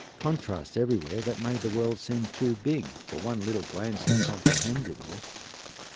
Contrasts everywhere, that made the world seem too big for one little glance to comprehend it all.